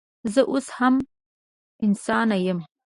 زه اوس هم انسانه یم